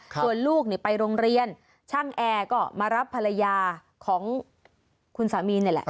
ส่วนลูกไปโรงเรียนช่างแอร์ก็มารับภรรยาของคุณสามีนี่แหละ